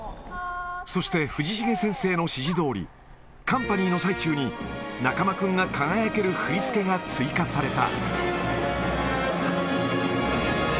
そして、藤重先生の指示どおり、カンパニーの最中に、中間君が輝ける振り付けが追加された。